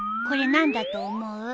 これ何だと思う？